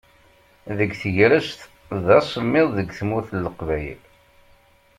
Deg tegrest d asemmiḍ deg tmurt n Leqbayel.